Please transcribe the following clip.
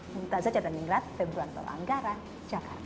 minta sajad dan ingrat februar telanggara jakarta